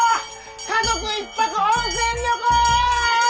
家族一泊温泉旅行！